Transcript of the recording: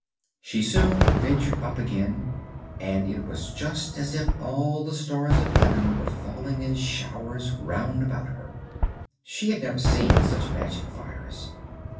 She soon ventured up again, and it was just as if all the stars of heaven were falling in showers round about her. She had never seen such magic fires.